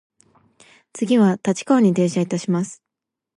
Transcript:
次は立川に停車いたします。